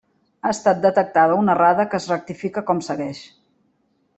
Ha estat detectada una errada que es rectifica com segueix.